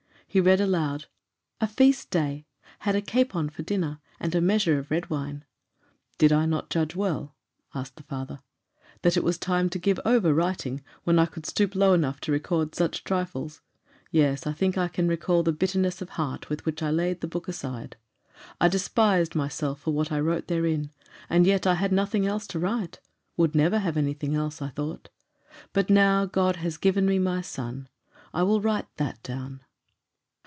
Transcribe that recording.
He read aloud: "'A feast day. Had a capon for dinner, and a measure of red wine.'" "Did I not judge well," asked the father, "that it was time to give over writing, when I could stoop low enough to record such trifles? Yes; I think I can recall the bitterness of heart with which I laid the book aside. I despised myself for what I wrote therein; and yet I had nothing else to write would never have anything else, I thought. But now God has given me my son. I will write that down."